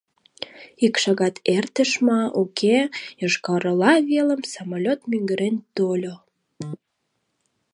Ик шагат эртыш ма, уке — Йошкар-Ола велым самолёт мӱгырен тольо.